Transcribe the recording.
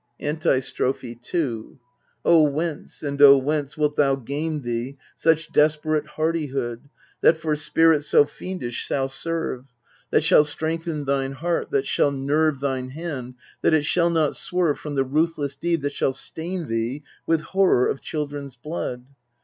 Antistrophe 2 O whence, and O whence wilt thou gain thee Such desperate hardihood That for spirit so fiendish shall serve, That shall strengthen thine heart, that shall nerve Thine hand, that it shall not swerve From the ruthless deed that shall stain thee With horror of children's blood